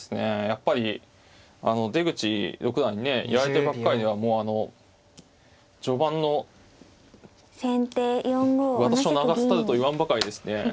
やっぱり出口六段にねやられてばっかりではもうあの序盤の私の名が廃ると言わんばかりですね。